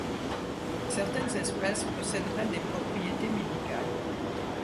Certaines espèces possèderaient des propriétés médicales.